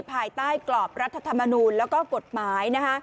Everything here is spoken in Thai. ผ่ายใต้กรอบรัฐธรรมนุนและกฎหมายนะฮะ